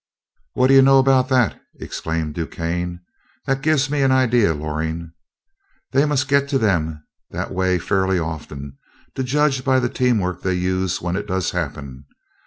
"What do you know about that!" exclaimed DuQuesne. "That gives me an idea, Loring. They must get to them that way fairly often, to judge by the teamwork they use when it does happen.